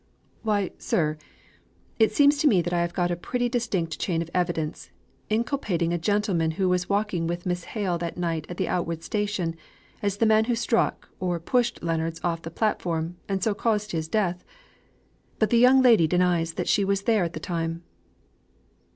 "Why, sir, it seems to me that I have got a pretty distinct chain of evidence, inculpating a gentleman who was walking with Miss Hale that night at the Outwood station, as the man who struck or pushed Leonards off the platform and so caused his death. But the young lady denies that she was there at the time."